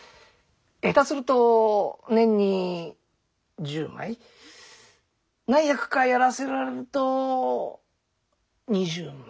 下手すると年に１０枚何役かやらせられると２０枚。